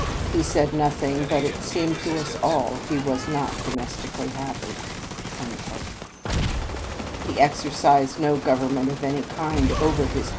We said nothing, but it seemed to us all he was not domestically happy." He exercised no government of any kind over his household.